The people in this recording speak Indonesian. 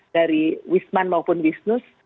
dari wisman maupun wismus